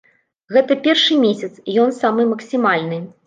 Гэта першы месяц, ён самы максімальны.